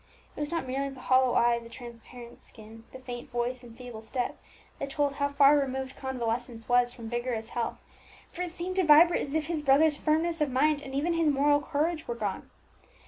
It was not merely the hollow eye, the transparent skin, the faint voice and feeble step that told how far removed convalescence was from vigorous health, for it seemed to Vibert as if his brother's firmness of mind, and even his moral courage, were gone.